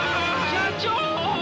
社長！